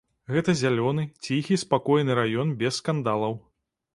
Гэта зялёны, ціхі, спакойны раён без скандалаў.